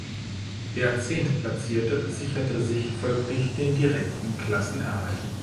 Der Zehntplatzierte sicherte sich folglich den direkten Klassenerhalt.